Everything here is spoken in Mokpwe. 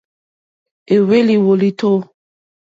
Éhwélì wòlìtó.